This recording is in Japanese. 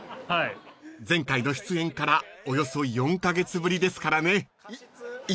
［前回の出演からおよそ４カ月ぶりですからね］